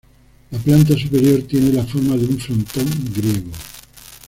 La planta superior tiene la forma de un frontón griego.